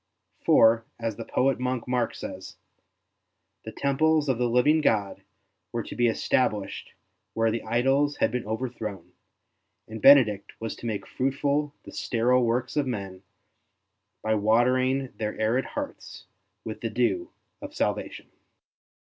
For, as the poet monk Mark says, '' The temples of the living God were to be established where the idols had been overthrown, and Benedict was to make fruitful the sterile works of men by watering their arid hearts with the dew of salvation."